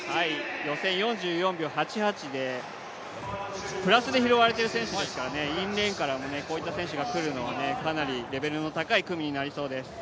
予選４４秒８８でプラスで拾われている選手ですから、インレーンからこういう選手が来るのもかなりレベルの高いレースになりそうです。